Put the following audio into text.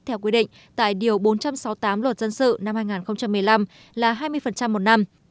theo quy định tại điều bốn trăm sáu mươi tám luật dân sự năm hai nghìn một mươi năm là hai mươi một năm